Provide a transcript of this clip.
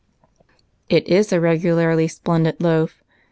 " "It is a regularly splendid loaf!